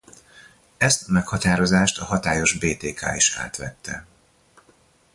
Ezt a meghatározást a hatályos Btk is átvette.